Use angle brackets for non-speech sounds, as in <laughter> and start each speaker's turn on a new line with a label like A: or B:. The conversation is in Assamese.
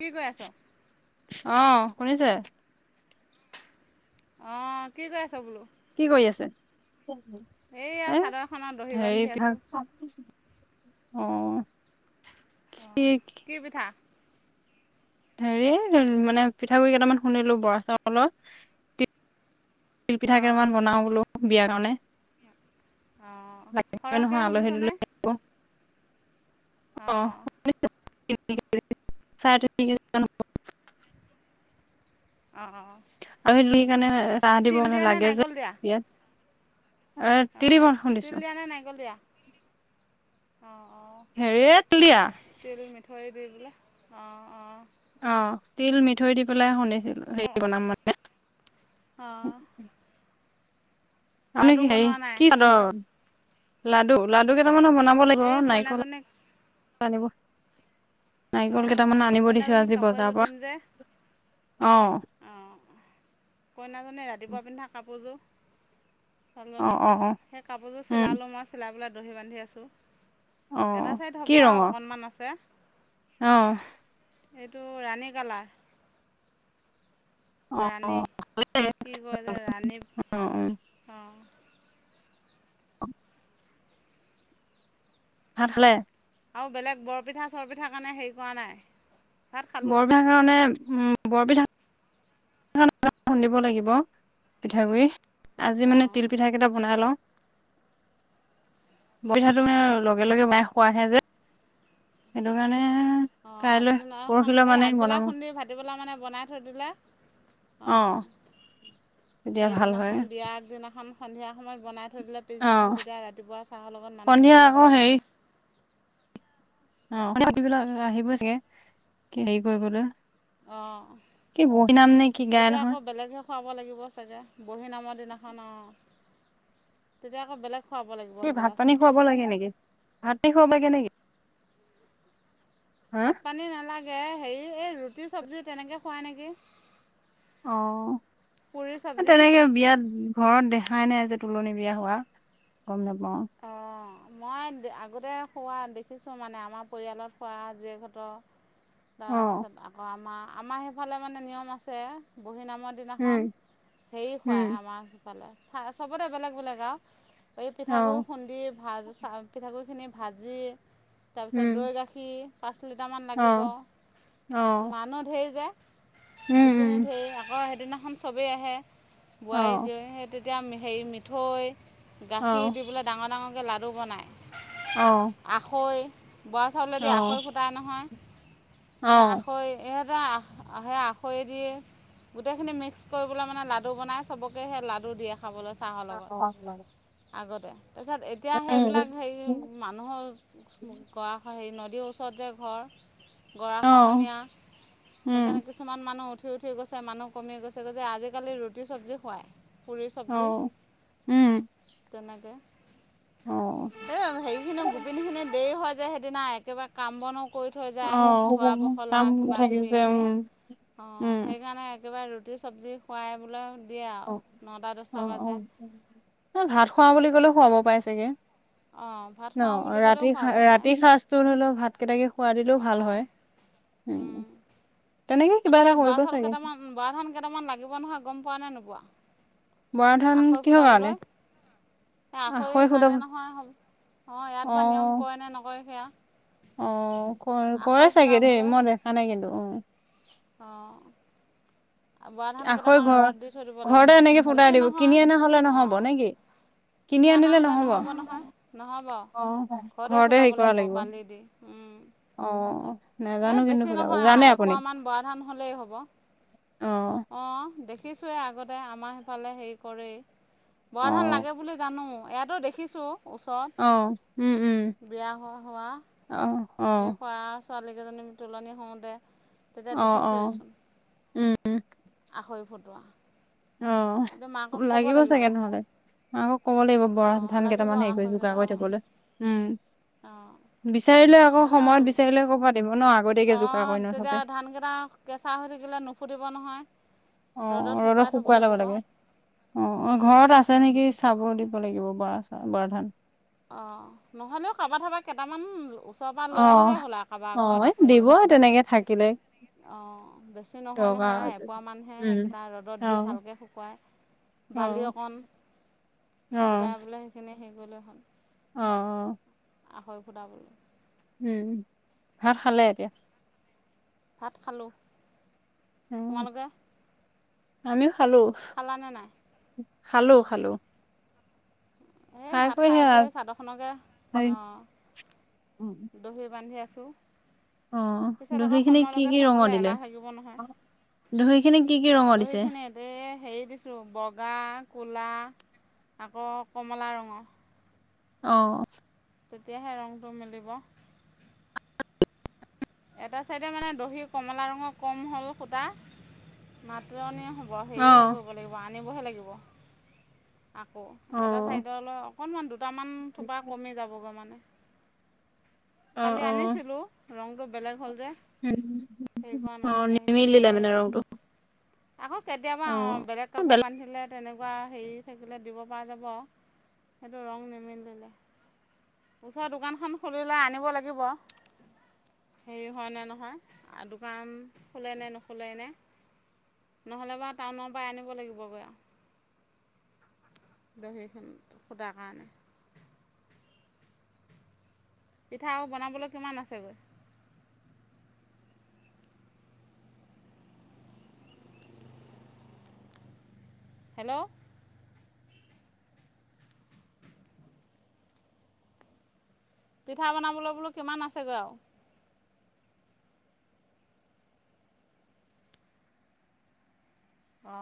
A: কি কৰি আছা?
B: অ', শুনিছে?
A: অ', কি কৰি আছা বোলো।
B: কি কৰি আছে?
A: এইয়া
B: এই
A: চাদৰ এখনত দহি
B: হেৰি
A: বান্ধি
B: কিবা।
A: আছোঁ।
B: অ', কি
A: অ', কি পিঠা?
B: হেৰি মানে পিঠাগুড়ি কেইটামান খুন্দিলোঁ বৰা চাউলৰ। তিলপিঠা
A: অঁ
B: কেইটামান বনাওঁ বোলো বিয়াৰ কাৰণে।
A: অঁ
B: লাগিব
A: সৰহকৈ
B: নহয় আলহী
A: খুন্দিছনে?
B: দুলহী আহিব। অ',
A: অঁ
B: শুনিছোঁ। <unintelligible>
A: অ', অ, অ,
B: আৰু <unintelligible> চাহ দিবৰ কাৰণে
A: নে
B: লাগে যে
A: নাৰিকল দিয়া?
B: ইয়াত। আহ
A: অঁ
B: তিলবন
A: তিল
B: খুন্দিছোঁ।
A: দিয়া নে নাৰিকল দিয়া? অঁ
B: হেৰি এ তিল দিয়া।
A: থৈ দি বোলে অ', অ,
B: অ তিল মিঠৈ দি পেলাই খুন্দি
A: অ', অ,
B: আৰু নো কি হেৰি কি চাদৰ, লাডু-লাডু কেইটামানো বনা বনাব
A: এই
B: লাগিব, নাৰিকল
A: কইনাজনীক
B: আনিব নাৰিকল
A: অঁ
B: কেইটামান আনিব দিছোঁ
A: কইনাজনীক
B: আজি
A: কাপোৰ
B: বজাৰৰ
A: এযোৰ
B: পৰা,
A: দিম যে
B: অ,
A: কইনাজনে ৰাতিপুৱা পিন্ধা কাপোৰযোৰ।
B: অ
A: ছোৱালীজনী,
B: অ অ
A: সেই কাপোৰযোৰ
B: উম
A: চিলালোঁ মই চিলাই পেলাই দহি বান্ধি আছোঁ।
B: অ
A: এটা ছাইড
B: কি
A: হ'ব আৰু
B: ৰঙৰ
A: অকণমান আছে।
B: অ
A: এইটো ৰাণী কালাৰ।
B: অ অ অ
A: ৰাণী কি কয় যে ৰাণী,
B: উ
A: অ।
B: ভাত খালে?
A: আও বেলেগ বৰপিঠা চৰপিঠা কাৰণে হেৰি কৰা নাই? ভাত খালোঁ
B: বৰপিঠা কাৰণে উম বৰপিঠা। <unintelligible> খুন্দিব লাগিব পিঠাগুৰি। আজি মানে
A: অঁ
B: তিল পিঠা কেইটা বনাই লওঁ। বৰপিঠাটো মানে
A: অঁ
B: লগে লগে বনাই খোৱাহে যে। সেইটো কাৰণে।
A: অ
B: কাইলৈ
A: আগদিনাখন
B: পৰহিলৈ
A: এই
B: মানে
A: আগবেলা
B: বনাম
A: খুন্দি ভাটিবেলা মানে বনাই থৈ দিলে
B: অ।
A: অঁ
B: তেতিয়া ভাল হয়
A: সেইদিনাখন বিয়া আগ দিনাখন সন্ধিয়া সময়ত বনাই থৈ দিলে
B: অ
A: পিছদিনাখন তেতিয়া ৰাতিপুৱা চাহৰ লগত মানুহক
B: সন্ধিয়া
A: দিব
B: আকৌ
A: পৰা
B: হেৰি
A: যাব।
B: অ <inaudible> আহিব চাগে হেৰি কৰিবলৈ
A: অঁ
B: কি বহি নাম নে কি গাই
A: তেতিয়া
B: নহয়
A: আকৌ বেলেগে খুৱাব লাগিব চাগে বহী নামৰ দিনাখন অ তেতিয়া আকৌ বেলেগ খুৱাব লাগিব
B: ভাত
A: হ'বলাচোন
B: পানী খুৱাব লাগে নিকি? ভাত পানী খুৱাব লাগে নিকি? হা
A: ভাত পানী নালাগে হেৰি এই ৰুটি চবজি তেনেকে খুৱাই নিকি?
B: অ তেনেকে বিয়াত ঘৰত দেহ দেখাই নাই যে তুলনি বিয়া হোৱা গম নেপাওঁ।
A: অ। মই আগতে খোৱা দেখিছোঁ মানে আমাৰ পৰিয়ালত খোৱা জীয়েক হতৰ।
B: অ'
A: তাৰপিছত আকৌ আমাৰ আমাৰ সেইফালে মানে নিয়ম আছে বহি নাম ৰ দিনাখন
B: উম
A: হেৰি
B: উম
A: খুৱায় আমাৰ সিফালে চবতে বেলেগ বেলেগ আৰু এই পিঠাগুৰি
B: অ'
A: খুন্দি ভা পিঠাগু়ৰি খিনি ভাজি তাৰপিছত
B: উম
A: দৈ গাখীৰ পাঁচ লিটাৰমান লাগিব
B: অ' অ'
A: মানুহ ধেৰ যে
B: উম উম
A: গোপিনী <unintelligible> আকৌ সেইদিনাখন চবেই আহে
B: অ'
A: বোৱাৰী জীয়ৰী এতিয়া হেৰি মিঠৈ
B: অ'
A: গাখীৰ দি পেলাই ডাঙৰ ডাঙৰকৈ লাড়ু বনায়
B: অ'
A: আখৈ বৰা
B: অ'
A: চাউলেদি
B: অ'
A: আখৈ ফুটাই নহয় সেই
B: অ'
A: আখৈ সহঁতে সেই আখৈ দে <unintelligible> গোটেই খিনি মিক্স কৰিবলৈ মানে লাডু বনাই চবকে সেই লাডু দিয়ে খাবলে।
B: অ ম।
A: আগতে তাৰপিছত এতিয়া সেইবিলাক হেৰি মানুহৰ কৰা হৈ দি ওচৰত যে ঘৰ গৰা
B: অ'
A: খহনীয়া সেইকাৰণে কিছুমান মানুহ উঠ সি উঠি গৈছে মানুহ কমি গৈছে গৈছে আজিকালি ৰুটি চবজী খুৱাই
B: অ উম।
A: তেনেকে
B: অ'
A: এ হেৰি খিনি গোপিনী খিনি দেৰি হয় যে সেইদিনা একেবাৰে কামবনো কৰি থৈ যায়
B: অ'
A: ধোৱা পখলা
B: কাম থাকে
A: কিবাকিবি
B: যে
A: এইখিনি
B: উম
A: অ
B: উম
A: সেইকাৰণে একেবাৰে ৰুট টি চব্জি খুৱাই বোলে দিয়ে
B: অ
A: আৰু নটা
B: অ
A: দহটা
B: অ
A: বাজে
B: ভাত খুৱা বুলি ক'লেও খুৱাব পাৰে চাগে?
A: অঁ ভাত
B: ন
A: খাওঁ বুলি ক'লেও
B: ৰাতি
A: খুৱাব পাৰে
B: ৰাতিৰ সাজটো হৰিলেও ভাত কেইটাকে খুৱ দিলেও ভাল
A: অঁ
B: হয়। উম। তেনেকে কিবা
A: আকৌ
B: এটা
A: ইয়াত বৰা
B: কৰিব
A: চাউল
B: চাগে
A: কেইটামান বোৱা ধান কেইটামান লাগিব নহয় গম পোৱা নাই নোপোৱা।
B: বৰা ধান কিহব কাৰানে?
A: সে আখৈ লাগে নহয় অ ইয়াত বা নিয়ম কৰে নে নকৰে সেয়া?
B: অ ক
A: আখৈ
B: কৰে চাগে দেই মই দেখা নাই কিন্তু উম।
A: অ।
B: আখৈ ঘৰ
A: দিব লাগিব
B: ঘৰতে এনেকে
A: বেছি
B: ফুটাই দিব
A: নহয়
B: কিনি অনা হলে নহব
A: অঁ
B: নিকি?
A: কিনি অনা হ'লে নহ'ব নহয় নহ'ব ঘৰতে ফুটাব লাগিব বালি দি।
B: অ
A: এই
B: নেজানো কিন্তু
A: বেছি
B: ফুৰাব,
A: নহয়
B: জানে আপুনি?
A: এপোৱামান বৰা ধান হ'লেই হ'ব
B: অ।
A: অঁ দেখিছোঁৱেই আগতে আমাৰ সেইফালে হেৰি কৰেই
B: অ
A: বৰা ধান লাগে বুলি জানো অ ইয়াতো দেখিছোঁ।
B: অ উম উম
A: ওচৰত বিয়া হোৱা হোৱা
B: অ অ
A: সেই কৱা ছোৱালীকেইজনী তুলনি হওঁতে তেতিয়া দেখিছোঁৱেচোন।
B: এক <inaudible>
A: আখৈ ফুটোৱা
B: অ
A: কিন্তু
B: খু
A: মাকক ক'ব
B: লাগিব চাগে নহলে আকৌ ক'ব লাগিব বৰা
A: অঁ
B: ধান
A: লাগিব
B: কেইটামান হেৰি কৰি যোগাৰ কৰি থাকলৈ উম।
A: অ
B: বিচাৰিলে আকৌ সময়ত বিচাৰিলে ক'পা দিব ন আগতিয়াঁকে জোগাৰ
A: অঁ
B: কৰি
A: তেতিয়া
B: নুথলে
A: ধানকেইটা কেঁচা হৈ থাকিলে নুফুটিব নহয়।
B: অ ৰ'দত
A: থ'ব
B: শুকুৱাই ল'ব
A: লাগিব অঁ
B: লাগে। অ অ ঘৰত আছে নেকি চাব দিব ব লাগিব বা চা বৰা ধান।
A: অ নহ'লেও কাবা ধাবা কেইটামান ওচ
B: অ', অ', দিব তেনেকে থাকিলে।
A: অ, বেছি নহয়, নহয়,
B: দৰকাৰ
A: এপোৱা মানুহে
B: উম।
A: সেইকেইটা ৰ'দত দি
B: অ'
A: ভালকৈ শুকুৱায়। বালি
B: অ'
A: অকণ
B: অ'
A: গোটাইল পেলায় সেইখিনি হেৰি কৰিলে হ'ল।
B: অ'।
A: আখৈ ফুটাবলৈ।
B: উম, ভাত খালে এতিয়া?
A: ভাত খালোঁ
B: উম,
A: তোমালোকে
B: আমিও খালো,
A: খালানে নাই
B: খালো,
A: অঁ
B: খালো।
A: এই ভাত খাই কৰি চাদৰখনকে অ,
B: উম।
A: দহি বান্ধি আছোঁ।
B: অ,
A: পিছত আকৌ
B: দহি খিনি কি,
A: সময়লৈকে
B: কি
A: থৈ
B: ৰঙৰ দিলে
A: এলাহ
B: দহি খিনি কি কি ৰঙৰ
A: দহি
B: দিছে
A: খিনি এই হেৰি দিছো বগা কু'লা আকৌ কমলা ৰঙৰ
B: অ
A: তেতিয়াহে ৰংটো মিলিব এটা চাইডে মানে দহি কমলা ৰঙৰ কম হল সূতা মাতনি হ'ব
B: অ
A: হেৰিহে কৰিব লাগিব আনিবহে লাগিব আকৌ
B: অ
A: এটা ছাইডলৈ অকণমান দুটামান থোপা কমি যাবগৈ মানে
B: অ
A: কালি
B: অ
A: আনিছিলো ৰংটো বেলেগ হ'ল যে
B: উম
A: হে কৰাা
B: অ
A: নহ'লে সেইখিনি
B: নিমিলিলে
A: এনেই
B: মানে
A: গ'ল
B: ৰংটো
A: আকৌ কেতিয়াবা অ বেলেগ
B: অ
A: কাপোৰ বান্ধিলে তেনেকুৱা হেৰি থাকিলে দিব পৰা যাব সেইটো ৰং নিমেলি লিলে ওচৰৰ দোকানখন খুলিলে আনিব লাগিব। হেৰি হয় নে নহয়, দোকান খোলে নে নোখোলে নে! নহ'লে বাৰু টাউনৰ পৰা আনিব লাগিবগৈ আৰু।
B: <inaudible>
A: ঢহিখন সূতাৰ কাৰণে। পিঠা আৰু বনাবলৈ কিমান আছেগৈ? হেল্ল' পিঠা বনাবলৈ বোলো কিমান আছেগৈ আৰু? অ,